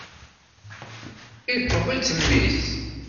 Iṭṭeḍ-itt mmi-s.